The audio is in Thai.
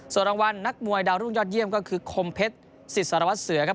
ส่วนรางวัลนักมวยดาวรุ่งยอดเยี่ยมก็คือคมเพชรสิทสารวัตรเสือครับ